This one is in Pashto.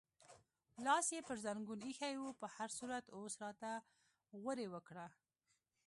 لاس یې پر زنګون ایښی و، په هر صورت اوس راته غورې وکړه.